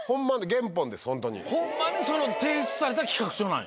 ホンマに提出された企画書なんや。